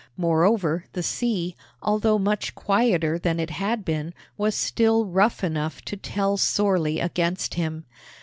Moreover, the sea, although much quieter than it had been, was still rough enough to tell sorely against him.